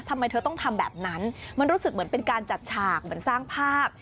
ทำไมเธอต้องทำแบบนั้นมันรู้สึกเหมือนเป็นการจัดฉากเหมือนสร้างภาพ